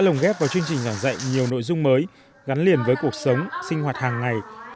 lồng ghép vào chương trình giảng dạy nhiều nội dung mới gắn liền với cuộc sống sinh hoạt hàng ngày